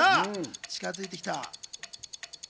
近づいてきた。